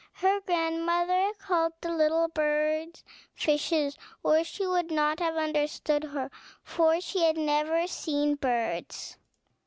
Her grandmother called the little birds fishes, or she would not have understood her; for she had never seen birds.